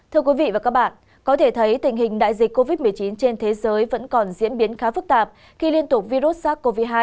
thưa quý vị và các bạn có thể thấy tình hình đại dịch covid một mươi chín trên thế giới vẫn còn diễn biến khá phức tạp khi liên tục virus sars cov hai